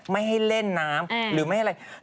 ไม่ให้เล่นน้ำหรือไม่อะไร